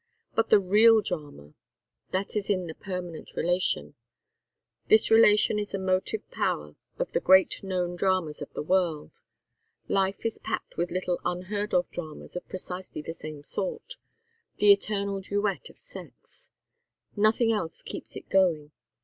But the real drama that is in the permanent relation. This relation is the motive power of the great known dramas of the world. Life is packed with little unheard of dramas of precisely the same sort the eternal duet of sex; nothing else keeps it going.